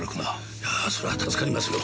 いやあそれは助かりますよ。